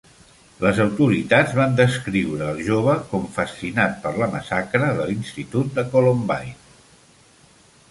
Les autoritats van descriure al jove com fascinat per la massacre de l'institut de Columbine.